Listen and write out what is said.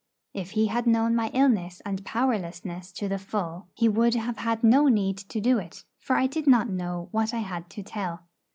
If he had known my illness and powerlessness to the full, he would have had no need to do it, for I did not know what I had to tell.